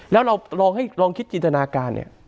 แล้วเราลองให้ลองคิดจินตนาการเนี่ย